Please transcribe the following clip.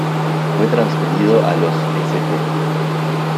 Fue transferido a los St.